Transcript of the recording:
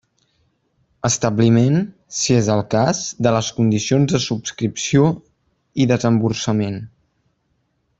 Establiment, si és el cas, de les condicions de subscripció i desemborsament.